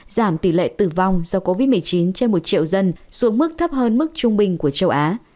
giảm tỷ lệ tử vong do covid một mươi chín trên một triệu dân xuống mức thấp hơn mức trung bình của châu á